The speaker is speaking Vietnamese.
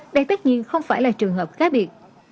đây tất nhiên không phải là trường hợp khác biệt